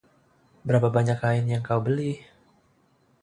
Berapa banyak kain yang kau beli?